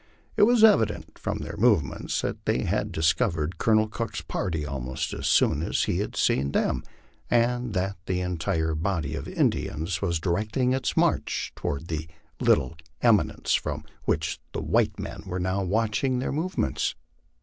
It was evident from their movements that they had discovered Colonel Cook's party almost as soon as he had seen them, and that the entire body of Indians was directing its march toward the little eminence from which the white men were now watching their movements.